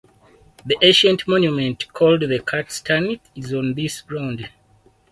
The ancient monument called the Cat Stane is on this ground.